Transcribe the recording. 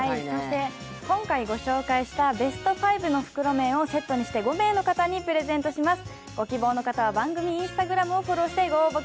今回ご紹介したベスト５の袋麺をセットにして５名の方にプレゼントします。